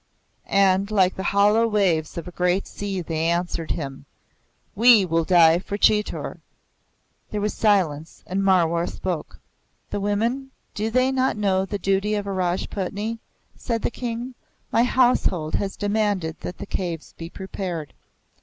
And like the hollow waves of a great sea they answered him, "We will die for Chitor." There was silence and Marwar spoke. "The women?" "Do they not know the duty of a Rajputni?" said the King. "My household has demanded that the caves be prepared."